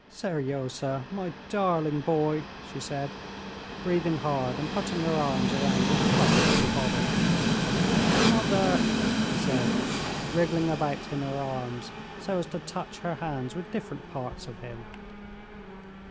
"Seryozha! my darling boy!" she said, breathing hard and putting her arms round his plump little body. "Mother!" he said, wriggling about in her arms so as to touch her hands with different parts of him.